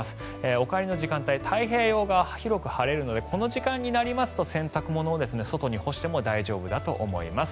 お帰りの時間帯太平洋側広く晴れるのでこの時間になりますと洗濯物を外に干しても大丈夫だと思います。